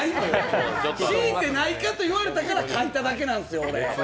しいてないかと言われたから書いただけなんですよ。